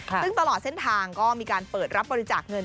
ซึ่งตลอดเส้นทางก็มีการเปิดรับบริจาคเงิน